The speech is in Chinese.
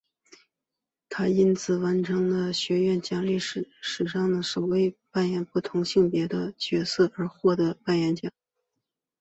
她也因此成为学院奖历史上首位扮演不同性别角色而获奖的演员。